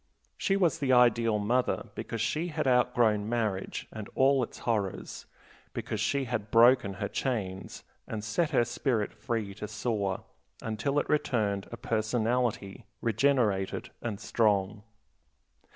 She was the ideal mother because she had outgrown marriage and all its horrors, because she had broken her chains, and set her spirit free to soar until it returned a personality, regenerated and strong.